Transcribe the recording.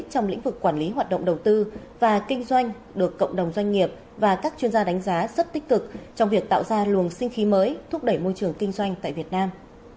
trong lĩnh vực quản lý hoạt động đầu tư và kinh doanh được cộng đồng doanh nghiệp và các chuyên gia đánh giá rất tích cực trong việc tạo ra luồng sinh khí mới thúc đẩy môi trường kinh doanh tại việt nam